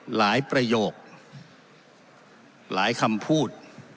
ประโยคหลายคำพูด